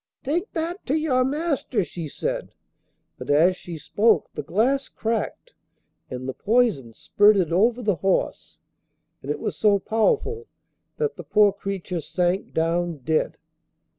'Take that to your master,' she said; but as she spoke the glass cracked and the poison spurted over the horse, and it was so powerful that the poor creature sank down dead.